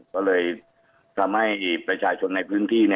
ก็เลยทำให้ประชาชนในพื้นที่